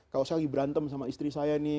kalau saya lagi berantem sama istri saya nih